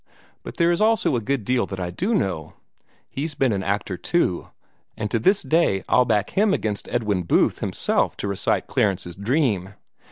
But there is also a good deal that I do know. He's been an actor, too, and to this day I'd back him against Edwin Booth himself to recite 'Clarence's Dream.'